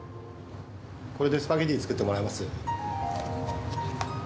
これでスパゲティ作ってもらえ？